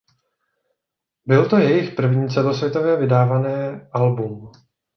Byl to jejich první celosvětově vydávané album.